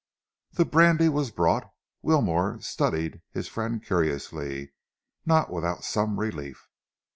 The brandy was brought. Wilmore studied his friend curiously, not without some relief.